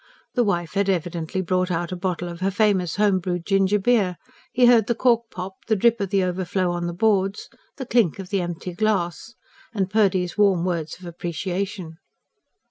The wife had evidently brought out a bottle of her famous home brewed gingerbeer: he heard the cork pop, the drip of the overflow on the boards, the clink of the empty glass; and Purdy's warm words of appreciation.